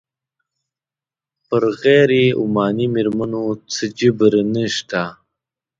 پر غیر عماني مېرمنو څه جبر نه شته.